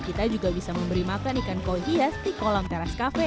kita juga bisa memberi makan ikan koi hias di kolam teras cafe